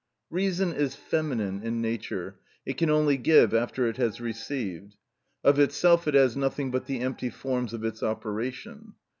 Reason is feminine in nature; it can only give after it has received. Of itself it has nothing but the empty forms of its operation.